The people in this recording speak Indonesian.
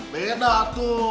bang beda tuh